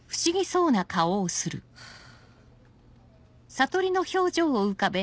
ハァ。